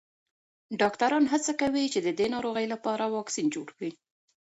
ډاکټران هڅه کوي چې د دې ناروغۍ لپاره واکسین جوړ کړي.